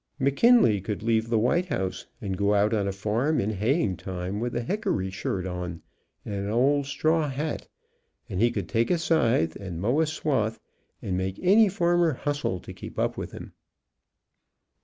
McKinley could leave the white house and go out on a farm in haying time, with a hickory shirt on, and an old straw hat, and he could take a scythe and mow a swath and make any farmer hustle to keep up with him.